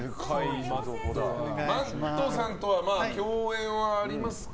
Ｍａｔｔさんとは共演はありますか？